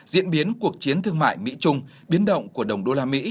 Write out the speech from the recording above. diễn biến cuộc chiến thương mại mỹ trung biến động của đồng đô la mỹ